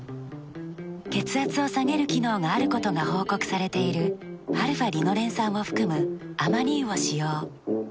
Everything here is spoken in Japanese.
血圧を下げる機能があることが報告されているαーリノレン酸を含むアマニ油を使用。